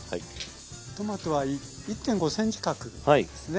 トマトは１．５ｃｍ角ですね。